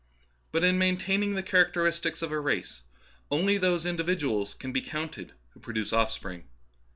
But in maintaining the characteristics of a race only those individuals can be counted who produce offspring.